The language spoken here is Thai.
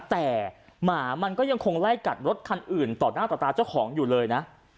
แต่หมามันก็ยังคงไล่กัดรถคันอื่นต่อหน้าต่อตาเจ้าของอยู่เลยนะ